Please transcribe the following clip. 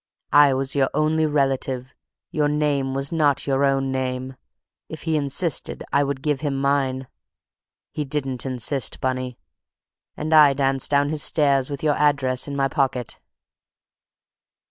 I was your only relative; your name was not your own name; if he insisted I would give him mine. He didn't insist, Bunny, and I danced down his stairs with your address in my pocket."